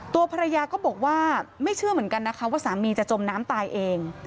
ตัวภรรยาก็บอกว่าไม่เชื่อเหมือนกันนะคะว่าสามีจะจมน้ำตายเอง